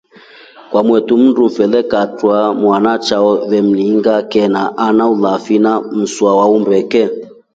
Kwamotu mndumfele akaatra mwana chao vemningia ken ana ulavi na mswa wa umbeke.